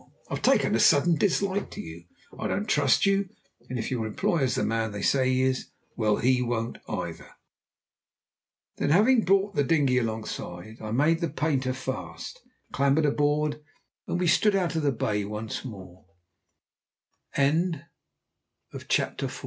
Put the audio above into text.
I've taken a sudden dislike to you. I don't trust you; and if your employer's the man they say he is, well, he won't either." Then, having brought the dinghy alongside, I made the painter fast, clambered aboard, and we stood out of the bay on